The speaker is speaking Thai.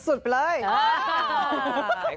สุดไปเลย